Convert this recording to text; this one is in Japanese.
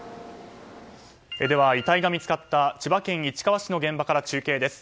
では、遺体が見つかった千葉県市原市の現場から中継です。